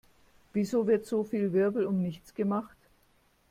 Wieso wird so viel Wirbel um nichts gemacht?